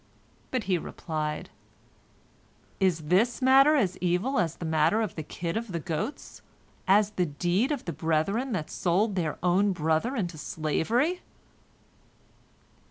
But he replied, "Is this matter as evil as the matter of the kid of the goats—as the deed of the brethren that sold their own brother into slavery?"